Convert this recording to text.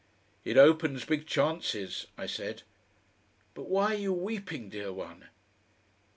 "It opens big chances," I said. "But why are you weeping, dear one?"